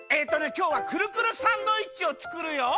きょうはくるくるサンドイッチをつくるよ。